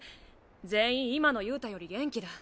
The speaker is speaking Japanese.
全員今の憂太より元気だ。